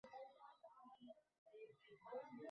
আসলে, একটা নতুন কোম্পানি এসেছে।